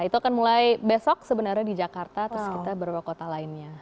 itu akan mulai besok sebenarnya di jakarta terus kita beberapa kota lainnya